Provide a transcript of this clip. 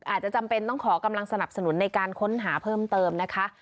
จำเป็นต้องขอกำลังสนับสนุนในการค้นหาเพิ่มเติมนะคะ